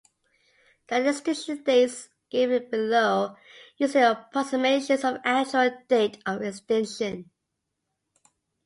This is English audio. The extinction dates given below are usually approximations of the actual date of extinction.